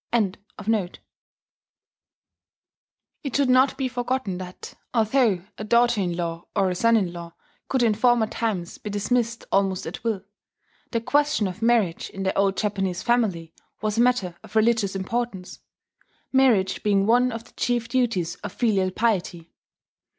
] It should not be forgotten that, although a daughter in law or a son in law could in former times be dismissed almost at will, the question of marriage in the old Japanese family was a matter of religious importance, marriage being one of the chief duties of filial piety.